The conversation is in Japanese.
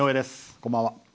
こんばんは。